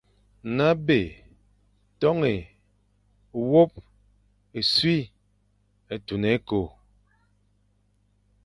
Nabé, tôné, wôp, tsṽi, tun ékô,